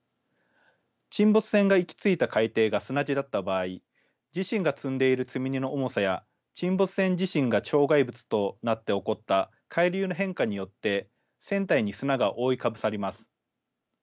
沈没船が行き着いた海底が砂地だった場合自身が積んでいる積み荷の重さや沈没船自身が障害物となって起こった海流の変化によって船体に砂が覆いかぶさります。